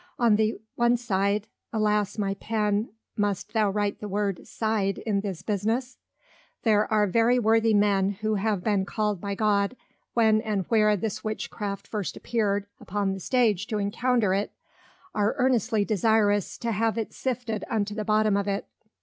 On the one side; [Alas, my Pen, must thou write the word, Side in the Business?] There are very worthy Men, who having been call'd by God, when and where this Witchcraft first appeared upon the Stage to encounter it, are earnestly desirous to have it sifted unto the bottom of it.